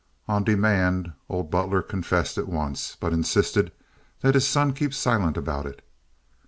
On demand, old Butler confessed at once, but insisted that his son keep silent about it.